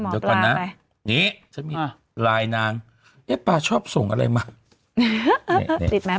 เดี๋ยวก่อนนะนี่ฉันมีไลน์นางเอ๊ะปลาชอบส่งอะไรมาติดไหม